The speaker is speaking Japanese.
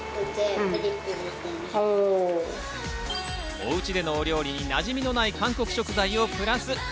おうちでのお料理になじみのない韓国食材をプラス。